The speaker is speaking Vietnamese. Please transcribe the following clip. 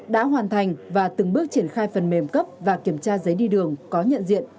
đã hoàn thành và từng bước triển khai phần mềm cấp và kiểm tra giấy đi đường có nhận diện